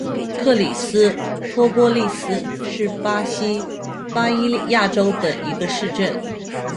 克里斯托波利斯是巴西巴伊亚州的一个市镇。